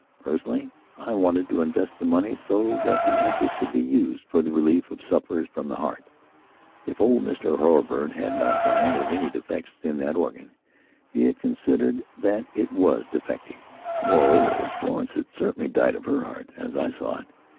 Personally, I wanted to invest the money so that the interest could be used for the relief of sufferers from the heart. If old Mr Hurlbird had not died of any defects in that organ he had considered that it was defective. Moreover, Florence had certainly died of her heart, as I saw it.